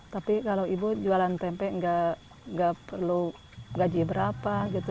tapi kalau ibu jualan tempe nggak perlu gaji berapa gitu